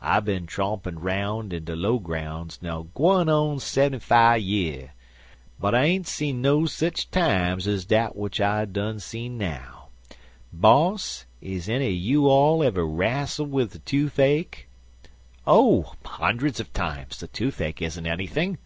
I bin trompin' 'roun' in de lowgroun's now gwine on seventy fi' year, but I ain't see no sich times ez dat w'at I done spe'unst now. Boss, is enny er you all ever rastled wid de toofache?" "Oh, hundreds of times! The toothache isn't anything."